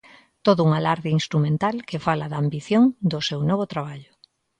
Todo un alarde instrumental que fala da ambición do seu novo traballo.